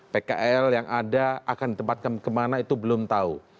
pkr yang ada akan di tempat kemana itu belum tahu